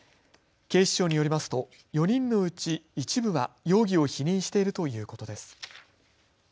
警視庁によりますと４人のうち一部は容疑を否認しているということです。